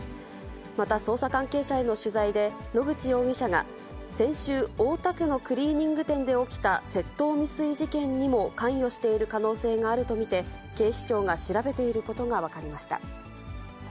また、捜査関係者への取材で、野口容疑者が、先週、大田区のクリーニング店で起きた窃盗未遂事件にも関与している可能性があると見て、警視庁が調べていることが分かりました。